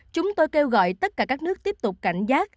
chúng tôi kêu gọi tất cả các nước tiếp tục cảnh giác